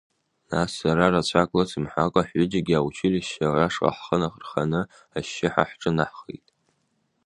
Нас сара рацәак лыцымҳәакәа, ҳҩыџьагьы аучилишьче ашҟа ҳхы рханы, ашьшьыҳәа ҳҿынаҳхеит.